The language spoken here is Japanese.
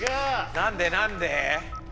何で何で？